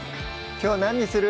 きょう何にする？